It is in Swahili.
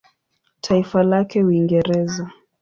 Taifa lake Uingereza.